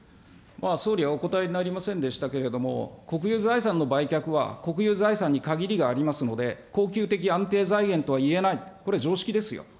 総理はお答えになりませんでしたけれども、国有財産の売却は国有財産に限りがありますので、恒久的安定財源とはいえない、これ常識ですよ。